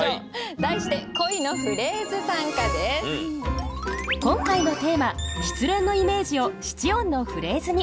題して今回のテーマ「失恋」のイメージを七音のフレーズに。